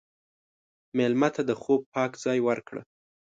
مېلمه ته د خوب پاک ځای ورکړه.